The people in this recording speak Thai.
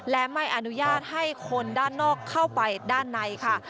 และไม่อนุญาตให้คนด้านนอกเข้าไปด้านในค่ะ